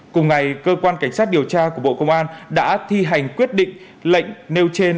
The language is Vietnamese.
cùng ngày cơ quan cảnh sát điều tra của bộ công an đã thi hành quyết định lệnh nêu trên